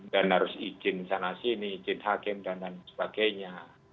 dan harus izin sana sini izin hakim dan sebagainya